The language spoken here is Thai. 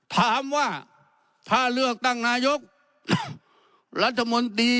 ถามว่าถ้าเลือกตั้งนายกรัฐมนตรี